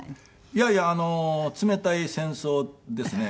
いやいや冷たい戦争ですね。